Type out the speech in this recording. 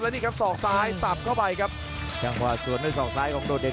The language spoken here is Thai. นี่ครับศอกซ้ายสับเข้าไปครับจังหวะสวนด้วยศอกซ้ายของโดดเดช